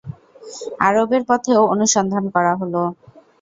আরবের পথেও অনুসন্ধান করা হল।